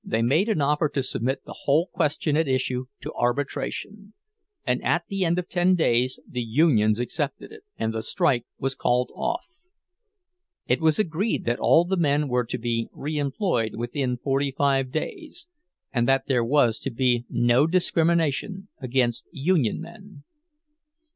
They made an offer to submit the whole question at issue to arbitration; and at the end of ten days the unions accepted it, and the strike was called off. It was agreed that all the men were to be re employed within forty five days, and that there was to be "no discrimination against union men."